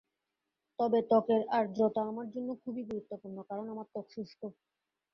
তবে ত্বকের আর্দ্রতা আমার জন্য খুবই গুরুত্বপূর্ণ, কারণ আমার ত্বক শুষ্ক।